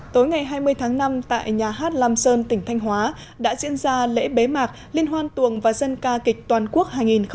tối ngày hai mươi tháng năm tại nhà hát lam sơn tỉnh thanh hóa đã diễn ra lễ bế mạc liên hoan tuồng và dân ca kịch toàn quốc hai nghìn một mươi chín